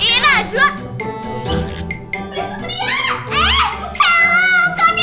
halo kau ini tinggal